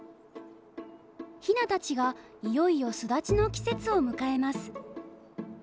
ヒナたちがいよいよ巣立ちの季節を迎えます。